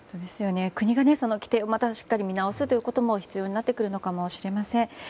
国が規定をしっかり見直すことも必要になってくるのかもしれません。